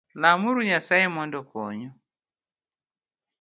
Lam uru Nyasae mondo okony u